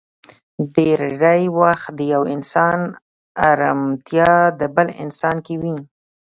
ډېری وخت د يو انسان ارمتيا په بل انسان کې وي.